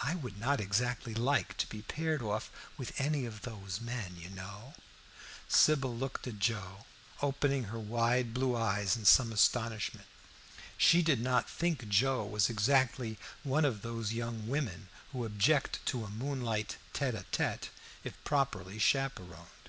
I would not exactly like to be paired off with any of those men, you know." Sybil looked at Joe, opening her wide blue eyes in some astonishment. She did not think Joe was exactly one of those young women who object to a moonlight tête à tête, if properly chaperoned.